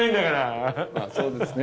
まあそうですね。